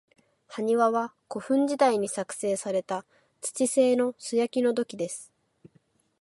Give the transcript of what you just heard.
埴輪は、古墳時代に製作された土製の素焼きの土器です。